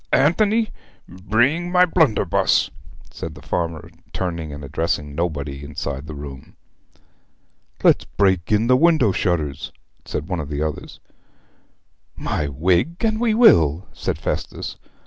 Anthony, bring my blunderbuss,' said the farmer, turning and addressing nobody inside the room. 'Let's break in the window shutters,' said one of the others. 'My wig, and we will!' said Festus.